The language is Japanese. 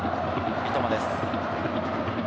三笘です。